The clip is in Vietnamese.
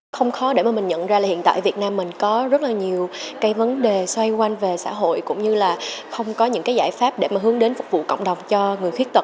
không khó để mà mình nhận ra là hiện tại việt nam mình có rất là nhiều cái vấn đề xoay quanh về xã hội cũng như là không có những cái giải pháp để mà hướng đến phục vụ cộng đồng cho người khuyết tật